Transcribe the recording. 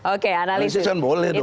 oke analisis analisis kan boleh dong